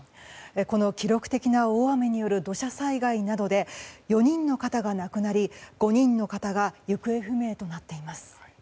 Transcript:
この記録的な大雨による土砂災害などで４人の方が亡くなり５人の方が行方不明となっています。